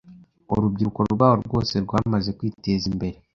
urubyiruko rwaho rwose rwamaze kwiteza imbere